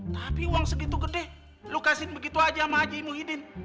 tapi uang segitu gede lukasin begitu aja sama haji muhyiddin